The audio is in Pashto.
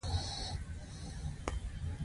واورېد، څنګه چې د ډګرمن کار خلاص شو.